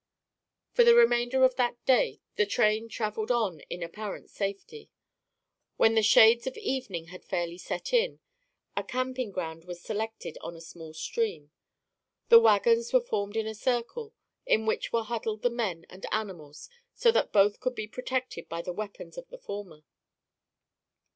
For the remainder of that day, the train traveled on in apparent safety. When the shades of evening had fairly set in, a camping ground was selected on a small stream. The wagons were formed in a circle, in which were huddled the men and animals so that both could be protected by the weapons of the former.